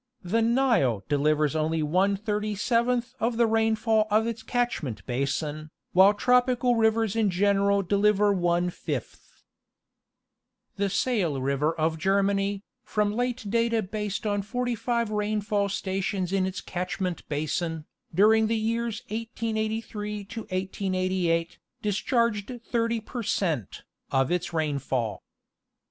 The Nile delivers only one thirty seventh of the rainfall of its catch ment basin, while tropical rivers in general deliver one fifth. The Saale river of Germany, from late data based on 45 rain fall stations in its catchment basin, during the years 1883 to 1886, discharged 30 per cent. of its rainfall.